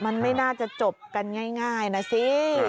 มันไม่น่าจะจบกันง่ายนะสิ